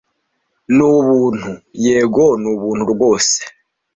ni ubuntu yego ni ubuntu rwose